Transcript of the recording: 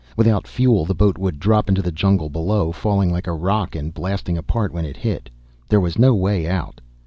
Without fuel the boat would drop into the jungle below, falling like a rock and blasting apart when it hit. There was no way out.